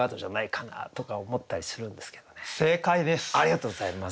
ありがとうございます。